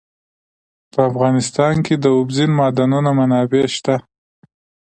په افغانستان کې د اوبزین معدنونه منابع شته.